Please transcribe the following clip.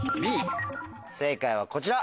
正解はこちら。